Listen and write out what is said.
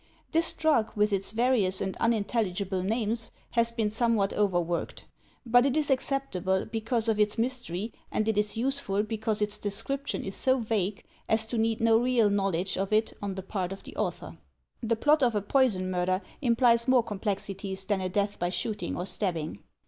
This drug, with its various and unintelligible names, has been somewhat over worked; but it is acceptable because of its mystery and it is useful because its description is so vague as to need no real knowl edge of it on the part of the author. The plot of a poison murder implies more complexities than a death by shooting or stabbing.